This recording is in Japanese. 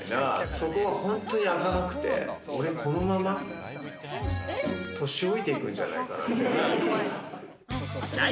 そこは本当に開かなくて、俺、このまま年老いていくんじゃないかなっていうくらい。